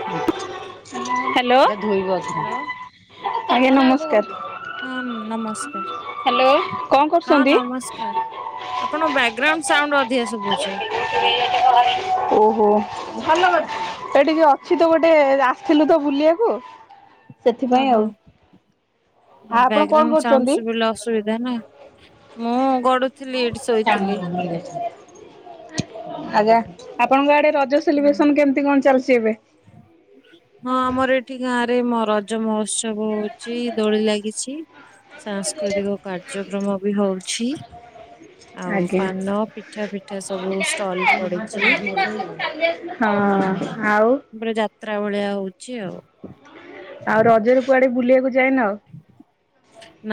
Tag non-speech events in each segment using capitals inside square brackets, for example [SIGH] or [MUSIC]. Hello hello ଆଜ୍ଞା ନମସ୍କାର। ହଁ ନମସ୍ ହ୍ୟାଲୋ। କଣ ହଁ କରୁଛନ୍ତି? ନମସ୍କାର ଆପଣଙ୍କ ବ୍ୟାଗଗ୍ରାଉଣ୍ଡ ସାଉଣ୍ଡ ଅଧିକା ଶୁଭୁଛି। [UNINTELLIGIBLE] ଓହୋ ଭଲ ଏ ଟିକେ ଅଛି ତ ଗୋଟେ ଆସିଥିଲୁ ତ ବୁଲିବାକୁ [UNINTELLIGIBLE] ଓହୋ ଆଉ ଆ ଆପଣ କଣ ବ୍ୟାଗଗ୍ରାଉଣ୍ଡ କରୁଛନ୍ତି? ସାଉଣ୍ଡ ଅସୁବିଧା ନା ମୁଁ ଗଡୁ [UNINTELLIGIBLE] ଆଜ୍ଞା ଆପଣଙ୍କ ଆଡେ ରଜ ହଁ। ସେଲିବ୍ରେସନ କେମତି କଣ ଚାଲିଛି ଏବେ? ହଁ ଆମର ଏଠି ଗାଁରେ ମ ରଜ ମହୋତ୍ସବ ହଉଛି ଦୋଳି ଲାଗିଛି। ସାଂସ୍କୃତିକ କାର୍ଯ୍ୟକ୍ରମ ବି ହଉଛି। ଆଉ ଆଜ୍ଞା ପାନ ପିଠା ପିଠା ସବୁ ଷ୍ଟଲ ପଡିଛି। ହଁ ହୁଁ। ଆଉ ପୁରା ଯାତ୍ରା ଭଳିଆ ହଉଛି ଆଉ। ଆଉ ରଜରେ କୁଆଡେ ବୁଲିବାକୁ ଯାଇନ ଆଉ?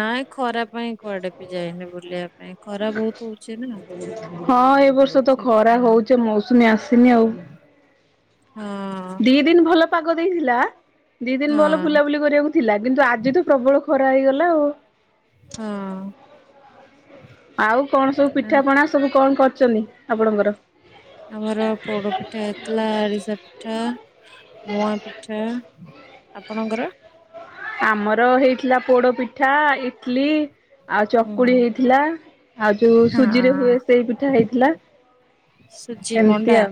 ନାଇ ଖରା ପାଇଁ କୁଆଡେ ବି ଯାଇନି ବୁଲିବା ପାଇଁ। ଖରା ବହୁତ ହଉଛି ନା ହଁ ଏ ବର୍ଷ ତ ଖରା ସେଥିପାଇଁ ହଉଚି ମୌସୁମୀ ଆସିନି ଆଉ। ହଁ। ଦି ଦିନ ଭଲ ପାଗ ଦେଇଥିଲା ଦି ଦିନ ଭଲ ହଁ ବୁଲାବୁଲି କରିବାକୁ ଥିଲା କିନ୍ତୁ ଆଜି ତ ପ୍ରବଳ ଖରା ହେଇଗଲା ଆଉ। ହଁ। ଆଉ କଣ ସବୁ ଆ- ପିଠାପଣା ସବୁ କଣ କରଛନ୍ତି ଆପଣଙ୍କର? ଆମର ପୋଡ ପିଠା ହେଥିଲା ଆରିଶା ପିଠା ମୁଆ ପିଠା ଆପଣଙ୍କର? ଆମର ହେଇଥିଲା ପୋଡ ପିଠା ଇଟଲି। ଆଉ ହୁଁ ଚକୁଳି ହେଇଥିଲା ଆଉ ଯୋଉ ସୁଜିରେ ହଁ ହୁଏ ସେଇ ପିଠା ହେଇଥିଲା। ସୁଜି ହେମତି ମଣ୍ଡା ଆଉ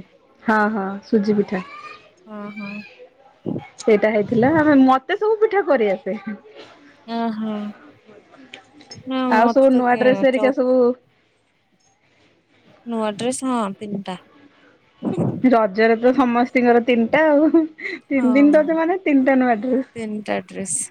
ହଁ ହଁ ସୁଜି ପିଠା। ହଁ ହଁ। ସେଇଟା ହେଇଥିଲା ଆମେ ମତେ ସବୁ ପିଠା କରିଆସେ। ଓହୋ ନା ଆଉ ମତେ ସବୁ ତ ନୂଆ କେ- ଡ୍ରେସ ଚଉ ହେରିକା ସବୁ ନୂଆ ଡ୍ରେସ ହଁ ତିନ୍ଟା। ରଜରେ ତ ସମସ୍ତିଙ୍କର ତିନିଟା ଆଉ ହଁ ତିନି ଦିନ ରଜ ମାନେ ତିନିଟା ନୂଆଡ୍ରେସ। ତିନିଟା ଡ୍ରେସ୍।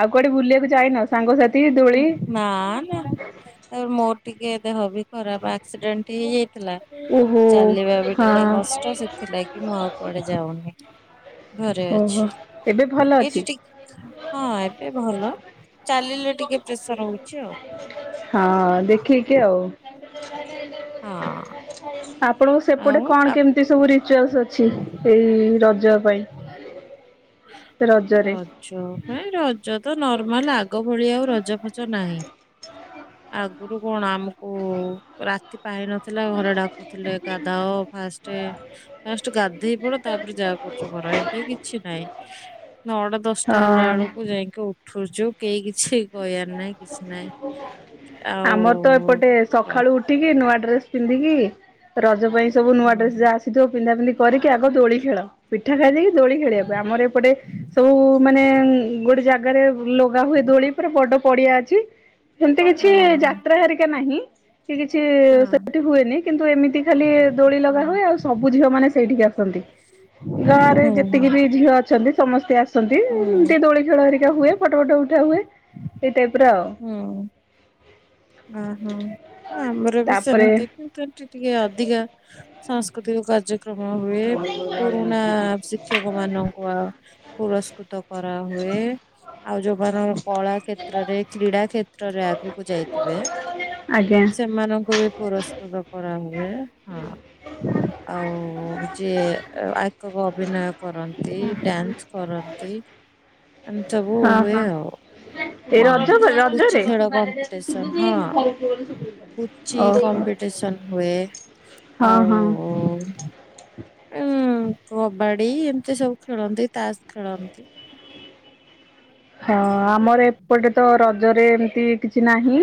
ଆଉ କୁଆଡେ ବୁଲିବାକୁ ଯାଇନ ସାଙ୍ଗସାଥି ହୁଁ, ଦୋଳି? ନା ନା ତାପରେ ମୋର ଟିକେ ଦେହ ବି ଖରାପ ଆକ୍ସିଡେଣ୍ଟ ହେଇଯାଇଥିଲା। ଓହୋ ଚାଲିବା ବି ହଁ ଟିକେ କଷ୍ଟ ସେଥିଲାଗି ମୁଁ ଆଉ କୁଆଡେ ଯାଉନି। ଘରେ ଓହୋ ଅଛି ଏବେ ଭଲ ଅଛି? ଏଇଠି ଟିକ ହଁ ଏବେ ଭଲ ଚାଲିଲେ ଟିକେ ପ୍ରେସର ହଉଛି ଆଉ। ହଁ ଦେଖିକି ଆଉ। ହଁ। ଆପଣଙ୍କୁ ସେପଟେ ଆଉ କଣ ଆପ କେମିତି ସବୁ ରିଚୁଆଲସ ଅଛି ଏଇ ରଜ ପାଇଁ। ରଜରେ ରଜ ପାଇ ରଜ ତ ନର୍ମାଲ ଆଗ ଭଳି ଆଉ ରଜ ଫଜ ନାହିଁ। ଆଗରୁ କଣ ଆମକୁ ରାତି ପାହି ନଥିଲା ଘରେ ଡ଼ାକ୍ କୁଥିଲେ ଗାଧାଅ ଫାଷ୍ଟେ। ଫାଷ୍ଟ ଗାଧେଇ ପଡ଼ ତାପରେ ଯାହା କରୁଛ କର ଏବେ କିଛି ନାଇଁ। ନଅଟା ଦଶଟା ହେଲା ହଁ। ବେଳକୁ ଯାଇକି ଉଠୁଛୁ କେଇ କିଛି କହିବାର ନାଇଁ କିଛି ନାଇଁ ଆଉ ଠିକି ନୂଆ ଡ୍ରେସ ପିନ୍ଧିକି ରଜ ପାଇଁ ସବୁ ହଁ ନୂଆ ଡ୍ରେସ ଯାହା ଆସିଥିବ ପିନ୍ଧା ପିନ୍ଧି କରିକି ଆଗ ଦୋଳି ଖେଳ ପି ପିଠା ଖାଇ ଦେଇକି ଦୋଳି ଖେଳିବା ପାଇଁ ଆମର ଏପଟେ ସବୁ ମାନେ ଗୋଟେ ଜା ଗାରେ ଲୁଗା ହୁଏ ଦୋଳି ପୁରା ବଡ଼ ପଡ଼ିଆ ଅଛି। ହେମିତି କିଛି ହଁ ଯାତ୍ରା ହେରିକା ନାହିଁ। ସି କିଛି ହଁ ସେଇଠି ହୁଏନି କିନ୍ତୁ ଏମିତି ଖାଲି ଦୋଳି ଲଗା ହୁଏ ହଁ ଆଉ ସବୁ ଝିଅ ମାନେ ସେଇଠିକି ଆସନ୍ତି। ଗାଁରେ ହୁଁ ହୁଁ ଯେତିକି ବି ଝିଅ ଅଛନ୍ତି ସମସ୍ତେ ଆସନ୍ତି। ହୁଁ। ଏ ଦୋଳି ଖେଳ ହେରିକା ହୁଏ ଫଟ ଫଟ ଉଠା ହୁଏ ଏଇ ଟାଇପ ର ଆଉ। ହୁଁ। ଓହୋ ଆମର ବି ତାପରେ ସେମିତି ପ୍ରକାର। ଟି ଟିକେ ଅଧିକା ସାଂସ୍କୃତିକ କାର୍ଯ୍ୟକ୍ରମ ହୁଏ ପୁରୁଣା ସି କ୍ଷକ ମାନଙ୍କୁ ଆ ପୁରସ୍କୁତ କରାହୁଏ ଆଉ ଯୋଉମାନ କଳା କ୍ଷେତ୍ରରେ କ୍ରୀଡ଼ା କ୍ଷେତ୍ରରେ ଆଗକୁ ଯାଇ ଥିବେ ଆଜ୍ଞା ସେମାନଙ୍କୁ ବି ପୁରସ୍ କୁତ କରା ହୁଏ ହଁ। ଆଉ ଯିଏ ଆଙ୍କକ ଅଭିନୟ କରନ୍ତି ଡ୍ୟାନ୍ସ କରନ୍ତି ଏମତି ସବୁ ହଁ ହୁଏ ହଁ ଆଉ। ଏଇ ହୁଁ ରଜ ପୁଚି ରଜରେ ଖେଳ କମ୍ପିଟିସନ ହଁ ପୁଚି ଓହୋ ହଁ କମ୍ପିଟ୍ ଟିସନ୍ ହୁଏ ହଁ ଆଉ ଉ କବାଡ଼ି ଏମିତି ସବୁ ଖେଳନ୍ତି ତାସ ଖେଳନ୍ତି। ହଁ ଆମର ଏପଟେ ତ ରଜରେ ଏମତି କିଛି ନାହିଁ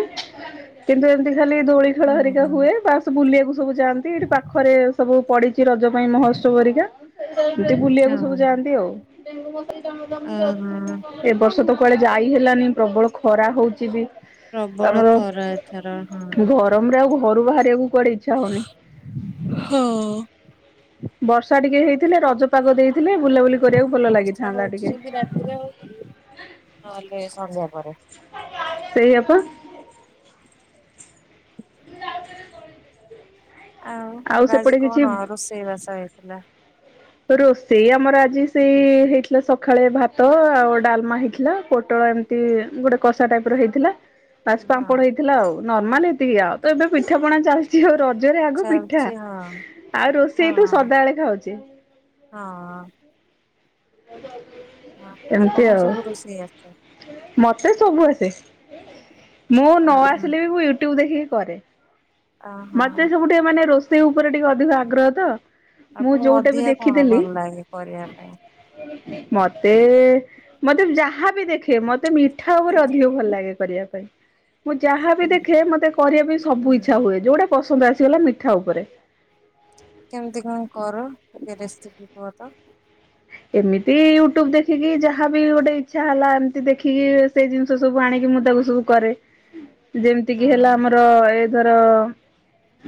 କିନ୍ତୁ ଏମିତି ଖାଲି ଦୋଳି ଖେଳ ହରିକା ହୁଁ। ହୁଏ ବାସ୍ ବୁଲିବାକୁ ସବୁ ଯାଆନ୍ତି ଏଠି ପାଖରେ ସବୁ ପଡ଼ିଛି ରଜ ପାଇଁ ମହୋତ୍ସବ ହେରିକା ଏମତି ବୁଲିବାକୁ ସବୁ ହଁ ଯାଆନ୍ତି ଆଉ। ଅ ଏ ବର୍ଷ ତ କୁଆଡ଼େ ଯାଇ ହେଲାନି ପ୍ରବଳ ଖରା ହଉଚି ବି। ପ୍ରବଳ ଖରା ଏଥର ହଁ। ରମରେ ଆଉ ଘରୁ ବାହାରିବାକୁ କୁଆଡ଼େ ଇଚ୍ଛା ହଉନି। ହଁ। ବର୍ଷା ଟିକେ ହେଇଥିଲେ ରଜ ପାଗ ଦେଇଥିଲେ ବୁଲାବୁଲି କରିବାକୁ ଭଲ ବର୍ଷା ଲାଗିଥାନ୍ତା ହଉଛି ଟିକେ ଯଦି ରାତିରେ ହଉଛି ନହେଲେ ସନ୍ଧ୍ୟା ପରେ। ସେଇଆ ପା। [UNINTELLIGIBLE] ଆଉ ଗାଜି ସେପଟେ କଣ କିଛି ରୋଷେଇବାସ ହେଇଥିଲା? ରୋଷେଇ ଆମର ଆଜି ସେଇ ହେଇଥିଲା ସକାଳେ ଭାତ ଆଉ ଡ଼ାଲମା ହେଇଥିଲା ପୋଟଳ ଏମ୍ ତି ଗୋଟେ କଷା ଟାଇପ୍ ର ହେଇଥିଲା। ପାସ୍ ପାମ୍ପଡ଼ ହଁ ହେଇଥିଲା ଆଉ ନର୍ମାଲ ଏତିକି ଆଉ ତ ଏବେ ପିଠା ପଣା ଚାଲି ଚି ଆଉ ରଜରେ ଆଗ ପିଠା ଚାଲିଛି ହଁ ଆଉ ହଁ ରୋଷେଇ ତ ସଦାଏଳେ ଖାଉଚେ। ହଁ। [UNINTELLIGIBLE] ହଁ ଏମିତି ଆପଣଙ୍କୁ ଆଉ ସବୁ ରୋଷେଇ ଆସେ? ମତେ ସବୁ ଆସେ ମୁଁ ଅ ନ ହଁ ଆସିଲେ ବି ମୁଁ ୟୁଟ୍ୟୁବ୍ ଦେଖିକି କରେ। ଅ ହଁ ମତେ ସବୁ ଟିକେ ମାନେ ରୋଷେଇ ଉପରେ ଟିକେ ଅ ଅଧିକ ଆଗ୍ରହ ତ ମୁଁ ଆପଣଙ୍କୁ ଯୋଉଟା ବି ଅଧିକା କଣ ଦେଖିଦେଲି ଭଲ ଲାଗେ କରିବା ପାଇଁ? ମତେ ମତେ ଯାହାବି ଦେଖେ ମତେ ମି ଠା ଉପରେ ଅଧିକ ଭଲ ଲାଗେ କରିବା ପାଇଁ ମୁଁ ଯାହାବି ଦେଖେ ମତେ କରିବା ପାଇଁ ସବୁ ହୁଁ। ଇଛା ହୁଏ ଯୋଉଟା ପସନ୍ଦ ଆସିଗଲା ମିଠା ଉପରେ। କେମତି କଣ କର ଟିକେ ରେସିପି କୁହ ତ। ଏମିତି ୟୁଟ୍ୟୁବ ଦେଖିକି ଯାହା ବି ଗୋଟେ ଇଚ୍ଛା ହେଲା ଏମିତି ଦେଖିକି ସେ ଜିନି ଷ ସବୁ ଆଣିକି ମୁଁ ତାକୁ ସବୁ କରେ। ଯେମିତିକି ହଁ ହେଲା ଆମର ଏ ଧର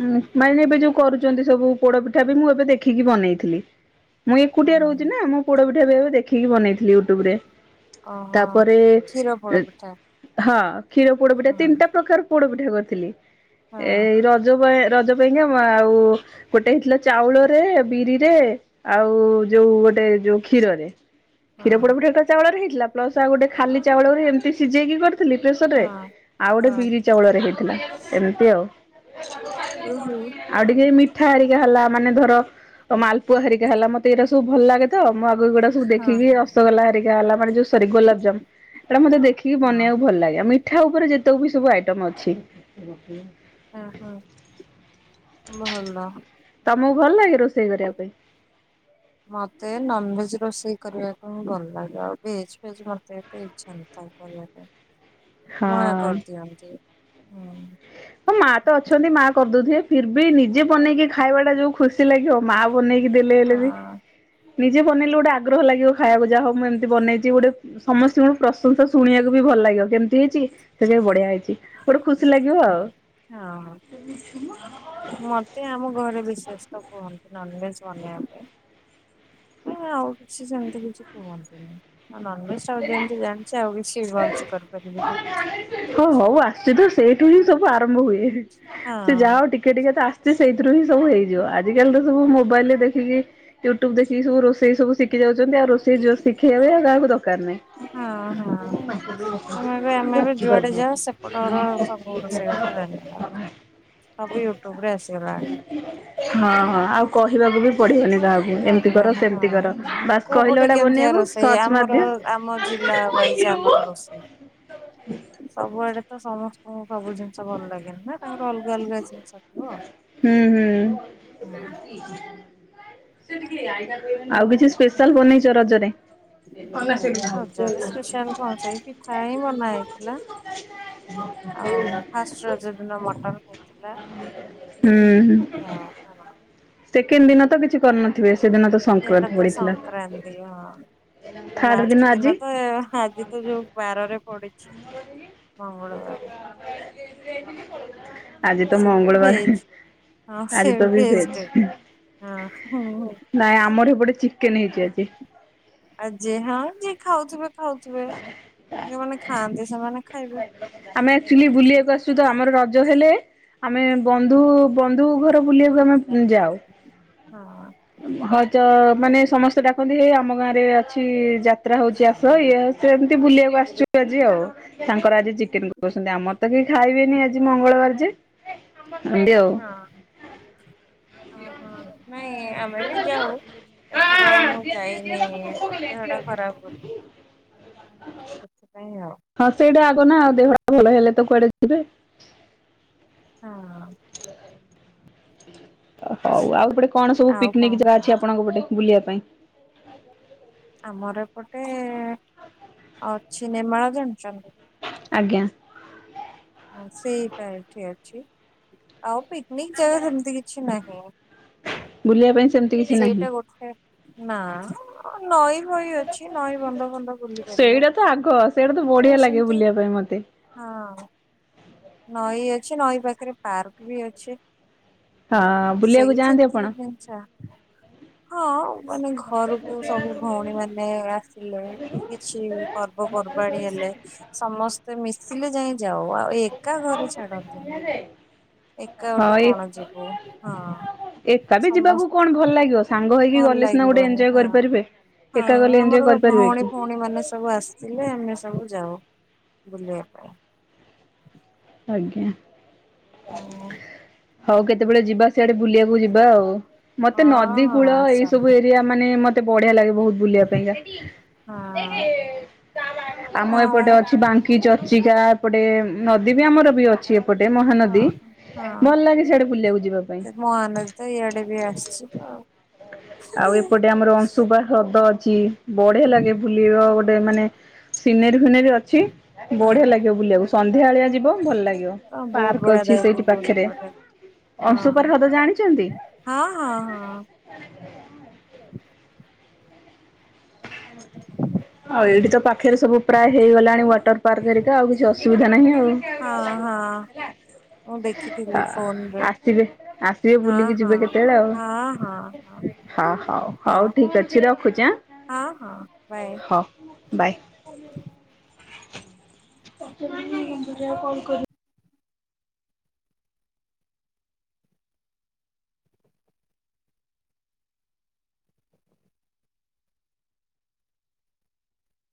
ଉଁମ୍ [INAUDIBLE] ଏବେ ଯୋଉ କରୁଛନ୍ତି ସବୁ ପୋଡପିଠା ବି ମୁଁ ଏବେ ଦେଖିକି ବନେଇଥିଲି। ମୁଁ ଏକୁଟିଆ ରହୁଛି ହଁ। ନା! ମୋ ପୋଡ ପିଠା ଏବେ ଏବେ ଦେଖିକି ବନେଇଥିଲି ୟୁଟ୍ୟୁବ ରେ। ଓହୋ କ୍ଷୀର ପୋଡ ପିଠା। ହଁ କ୍ଷୀର ପୋଡ ପିଠା। ହଁ ତିନିଟା ପ୍ରକାର ପୋଡ ପିଠା କରିଥିଲି। ହଁ ଏ ରଜ ପାଇଁ ରଜ ପାଇଁକା। ଆ ଆଉ ଗୋଟେ ହେଇଥିଲା ଚାଉଳରେ, ବିରିରେ, ଆଉ ଯୋଉ ଗୋଟେ ଗୋଟେ ଯୋଉ କ୍ଷୀରରେ। କ୍ଷୀର ହଁ ପୋଡା ତ ଚାଉଳରେ ହେଇଥିଲା। ପ୍ଲସ ଆଉ ଗୋଟେ ଖାଲି ଚାଉଳରେ ଏମିତି ସିଝେଇକି କରିଥିଲି ପ୍ରେସର ରେ, ହଁ। ଆଉ ଗୋଟେ ହଁ ବିରି ଚାଉଳରେ ହେଇଥିଲା। ଏମିତି ଆଉ। ଓହୋ। ଆଉ ଟିକେ ମିଠା ହାରିକା ହେଲା। ମାନେ ଧର ମାଲପୁ ହରିକା ହେଲା? ମତେ ଏଇଟା ସବୁ ଭଲ ଲାଗେ। ତ ମୁଁ ଆଗକୁ ଏଗୁଡା ସବୁ ହଁ ଦେଖିକି ହଁ ରସଗୋଲାରିକା ହେଲା ମାନେ ଯୋଉ ସରି ଗୋଲାପଜାମୁନ। ଏଇଟା ମତେ ଦେଖିକି ହଁ ବନେଇବାକୁ ଭଲ ଲାଗେ। ଆଉ ମିଠା ଉପରେ ଯେତେ ବି ସବୁ ଆଇଟମ ଅଛି। ହଁ ହଁ। ଭଲ। ତମକୁ ଭଲ ଲାଗେ ରୋଷେଇ କରିବା ପାଇଁ? ମତେ ନନଭେଜ ରୋଷେଇ କରିବାକୁ ଭଲ ଲାଗେ। ଆଉ ଭେଜ୍ ଫେଜ୍ ମତେ ଏତେ ଇଚ୍ଛା ନଥାଏ କରିବା ପାଇଁ। ହ ନା କରିଦିଅନ୍ତ। ହୁଁ। ହଁ ମା ତ ଅଛନ୍ତି ମା କରିଦଉଥିବେ। ଫିର୍ ବି ନିଜେ ବନେଇକି ଖାଇବା ଟା ଯୋଉ ଖୁସ ଖୁସି ଲାଗିବ। ମା ବନେଇକି ଦେଲେ ହେଲେ ବି ହଁ ନିଜେ ବନେଇଲେ ଗୋଟେ ଆଗ୍ରହ ଲାଗିବ ଖାଇବାକୁ। ଯାହାହଉ ମୁଁ ଏମିତି ବନେଇଛି ଗୋଟେ ସମସ୍ତଙ୍କ ପ୍ରଶଂସା ଶୁଣିବାକୁ ବି ଭଲ ଲାଗିବ। କେମିତି ହେଇଛି? ସେଇଟକ ବି ବଢିଆ ହେଇଛି। ଗୋଟେ ଖୁସି ଲାଗିବ ଆଉ। ହଁ ମତେ ଆମ ଘରେ [INAUDIBLE] ତ କୁହନ୍ତି ନନଭେଜ ବନେଇବା ପାଇଁ। [INAUDIBLE] କିଛି ସେମିତି କିଛି କୁହନ୍ତିନି। ନନଭେଜ ଟାକୁ ଯେମିତି ଜାଣିଛି ଆଉ କିଛି ଭଲସେ କରିପାରିବିନି। ହଁ ହଉ ଆସୁଛି ତ ଆଉ। ସେଇଠୁ ହିଁ ସବୁ ଆରମ୍ଭ ହୁଏ। ସେ ହଁ ଯାହାହଉ ଟିକେ ଟିକେ ତ ଆସ ଚି ସେଇଥିରୁ ହିଁ ସବୁ ହେଇଯିବ। ଆଜିିକାଲି ତ ସବୁ ମୋବାଇଲ ରେ ଦେଖିକି ୟୁଟ୍ୟୁବ ଦେଖି ସବୁ ରୋଷେଇ ସବୁ ଶିଖି ଯାଉଛନ୍ତି। ଆଉ ରୋଷେଇ [INAUDIBLE] ଶିଖେଇବା ଆଉ କାହାକୁ ଦରକାର ନାହିଁ। ହଁ ମ ଏ ଆମେ [INAUDIBLE] ଏବେ ଯୁଆଡେ ଯାଉ, ସେପଟ ଘର ସବୁ ରୋଷେଇ ବାସ ଜାଣିଲା। ସବୁ ୟୁଟୁବ ରେ ଆସିଗଲା ଆସିଗଲାଣି। ହଁ ହଁ ଆଉ କହିବାକୁ ବି ପଡ଼ିବନି କାହାକୁ। ଏମିତି କର ପଢିବନି ସେମିତି କର ବାସ୍ କହିଲେ ଗୁଡ଼ା ବନେଇବାକୁ। ସେଇ ସର୍ଚ୍ଚ ଆମର ମାରିଦିଅ ଆମ ଜିଲ୍ଲା ୱାଇଜ ଆମର ରୋଷେଇ। ସବୁଆଡେ ତ ସମସ୍ତଙ୍କୁ ସବୁ ଜିନିଷ ଭଲ ଲାଗେନି ନା? ତାଙ୍କର ଅଲଗା ଅଲଗା ଜିନିଷ ଥିବ। ହୁଁ ହଁ ହୁଁ। କତି ଆଉ କିଛି ସ୍ପେଶାଲ ବନେଇଛ ରଜରେ? ଓ ସେ ରଜରେ ସ୍ପେଶାଲ କଣ ସେଇ ପିଠା ହିଁ ବନା ହେଇଥିଲା। [UNINTELLIGIBLE] ଆଉ ଫାଷ୍ଟ ରଜ ଦିନ ମଟନ୍ ହେଇ ହୁଁ। [INAUDIBLE] ସେକେଣ୍ଡ ଦିନ ତ କିଛି କରିନ ସେଇଟା ତ ସଂକ୍ରାନ୍ତି। ହଁ ଆ ଥାର୍ଡ ଲାଷ୍ଟ ଆଜି ଦିନ ତ ଆଜି ତ ଯୋଉ ବାରରେ ପଡିଛି! ମଙ୍ଗଳବାରେ। ଆଜି ହଁ ତ ସେଟ ମଙ୍ଗଳବାର। ଭେଜ୍ ହଁ ଆଜି ସେ ତ ବି ଭେଜ୍ ଭେଜ ଟେ। ହଁ। ନାଇଁ ଆମର ଏପଟେ ଚିକେନ ହେଇଛି ଆଜି। ଆଜି ହଁ ଯିଏ ଖାଉଥିବେ ଖାଉଥିବେ ଯୋଉମାନେ ଖାଆନ୍ତି ସେମାନେ ଖାଇବେ। ଆମେ ଆକ୍ଚୁଆଲି ବୁଲିବାକୁ ଆସୁ ତ ଆମର ରଜ ହେଲେ ଆମେ ବନ୍ଧୁ ବନ୍ଧୁ ଘର ବୁଲିବାକୁ ଆମେ ଯାଉ। ହଁ। ହଚ ହଁ ମାନେ ସମସ୍ତେ ଡାକନ୍ତି ହେଇ ଆମ ଗାଁ ରେ ଅଛି ଯାତ୍ରା ହଉଛି ଆସ ଇଏ ସେମିତି ବୁଲିବାକୁ ଆସିଛୁ ଆଜି ଆଉ। ତାଙ୍କର ଆଜି ଚିକେନ କରୁଛନ୍ତି ଆମର ତ କେହି ଖାଇବେନି ଆଜି ମଙ୍ଗଳବାର ଯେ ଏମତି ଆଉ। ହ ଓହ ନାଇଁ ଆ ମେ ବି ଯାହଉ ଏଥର ମୁଁ ଯାଇନି ମୋ ଦେହ ଟା ଖରାପ ବୋଲି। [INAUDIBLE] ସେଥିପାଇଁ ଆଉ। ହଁ ସେଇଟା ଆଗ ନା ଆଉ ଦେହଟା ଭଲ ହେଲେ ତ କୁଆଡେ ଯିବେ। ହଁ। ଓ ହଉ ଆଉ ସେପଟେ କଣ ସବୁ ଆଉ କଣ ପିକ୍ନିକ ଜାଗା ଅଛି କୁହନ୍ତୁ ଆପଣଙ୍କ ପଟେ ବୁଲିବା ପାଇଁ। ଆମର ଏପଟେ ଅଛି ନେମାଳ ଜାଣିଛନ୍ତି। ଆଜ୍ଞା। ହ ସେଇଟା ଏଠି ଅଛି ଆଉ ପିକନିକ ଜାଗା ସେମିତି କିଛି ନାହିଁ ଆଉ। ବୁଲିବା ପାଇଁ ସେମତି ସେଇଟା ଗୋଟେ। ନା ନଈ ଫଇ ଅଛି ନଈ ବନ୍ଧ ଫନ୍ଧ ବୁଲି ପାରିବ। ଆ ସେଆଡେ ତ ବଢିଆ କିନ୍ତୁ ଲାଗିବ ସେମିତି ବୁଲିବା ପାଇଁ ମତେ। ହଁ। ନଈ ଅଛି ନଈ ପାଖରେ ପାର୍କ ବି ଅଛି। ହଁ ବୁଲିବାକୁ ଯାଆନ୍ତି ଆପଣ। ଆଛ ହଁ ମାନେ ଘରକୁ ସବୁ ଭଉଣୀ ମାନେ ଆସିଲେ କିଛି ପର୍ବପର୍ବାଣି ହେଲେ ସମସ୍ତେ ମିଶିଲେ ଯାଇ ଯାଉ ଏ କା ଘରେ ଛାଡନ୍ତିନି ଏକା ହଁ ଗୋଟେ ଏ କଣ ଯିବୁ ହଁ। ଏକା ବି ଯିବାକୁ ସମସ୍ତେ କଣ ଭଲ ଲାଗିବ ସାଙ୍ଗ ହେଇକି ଭଲ ଗଲେ ସିନା ଗୋଟେ ଲାଗିବନି ଏଞୟ ହଁ। କରିପାରିବେ। ଏକା ଆଉ ଗଲେ ଏନ୍ଜୟ ଆମର କରିପାରିବେ ଭଉଣୀ କି? ଭଉଣୀ ମାନେ ସବୁ ଆସିଥିଲେ ଆମେ ସବୁ ଯାଉ ବୁଲିବାକୁ। ଆଜ୍ଞା। ହଁ। ହଉ କେତେବେଳେ ଯିବା ସେଆଡେ ବୁଲିବାକୁ ଯିବା ଆଉ ମତେ ହଁ ନଦୀ ହଁ କୂଳ ଏଇ ସବୁ ଆସନ୍ତୁ ଏରି ଆ ମାନେ ମତେ ବଢିଆ ଲାଗେ ବହୁତ ବୁଲିବା ପାଇଁକା। ହଁ ଆମ ଏପଟେ ହଁ ଅଛି ବାଙ୍କି ଚର୍ଚ୍ଚିକା ଏପଟେ ନଦୀ ବି ଆମର ବି ଅଛି। ପଟେ ହଁ। ମହାନଦୀ ଭଲ ଲାଗେ ସେଆଡେ ବୁଲିବାକୁ ଯିବା ପାଇଁ। ହଁ ନଦୀ ତ ଇଆଡେ ବି ଆସିଛି ତ। ଆଉ ଏପଟେ ଆମର ଅଂଶୁବା ହ୍ରଦ ଅଛି ବଢିଆ ଲାଗେ ବୁ ବୁଲିବ ଗୋଟେ ମାନେ ସିନେର ଫିନେରୀ ଅଛି। ହଁ ବଢିଆ ଲାଗିବ ବୁଲିବାକୁ ସନ୍ଧ୍ୟା ବେଳିଆ ଯିବେ ଭଲ ଲାଗିବ ହଁ ବହୁତ ପାର୍କ ବଢିଆ ଅଛି ସେଇଠି ଦେଖାଯାଉଥିବ ପାଖରେ। ସେପଟେ ଅଂଶୁପା ହଁ। ହ୍ରଦ ଜାଣିଛନ୍ତି। ହଁ ହଁ ହଁ। [INAUDIBLE] ଆଉ ଏଇଠି ତ ପାଖରେ ସବୁ ପ୍ରାୟ ହେଇଗଲାଣି ୱାଟର ପାର୍କ ହେରିକା ଆଉ କିଛି ଅ ସୁବିଧା ନାହିଁ ଆଉ। ହଁ ହଁ। ମୁଁ ଦେଖିଥିଲି ଫୋନ୍ ରେ ଆସିବେ ଆସିବେ ବୁଲିକି ହଁ ହଁ ଯିବେ କେତେବେଳେ ଆଉ। ହଁ ହଁ ହଁ। ହଁ ହଉ ହଉ ହଁ ଠିକ୍ ଅଛି ରଖୁଛି ଆଁ ହଁ ହଁ ବାଏ। ହଉ ବାଏ। [INAUDIBLE] କଲ୍ କରିବୁ।